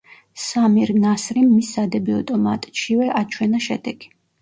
სამირ ნასრიმ მის სადებიუტო მატჩშივე აჩვენა შედეგი.